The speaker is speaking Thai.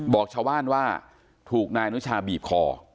บอกชาวบ้านว่าถูกนายอนุชาบีบคอ